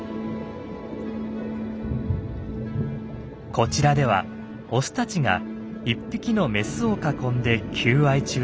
こちらではオスたちが１匹のメスを囲んで求愛中です。